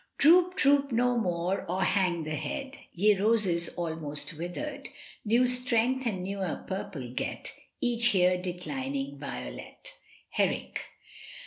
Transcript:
Droop, droop no more or hang the head, Ye roses almost withered, New strength and newer purple get, Each here declining violet. Herrick.